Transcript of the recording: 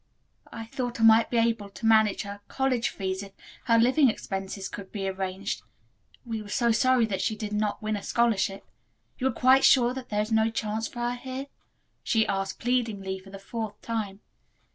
"I thought I might be able to manage her college fees, if her living expenses could be arranged. We were so sorry that she did not win a scholarship. You are quite sure that there is no chance for her here?" she asked pleadingly, for the fourth time.